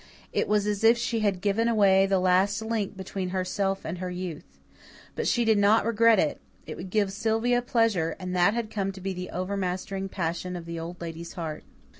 It was as if she had given away the last link between herself and her youth. But she did not regret it. It would give Sylvia pleasure, and that had come to be the overmastering passion of the Old Lady's heart.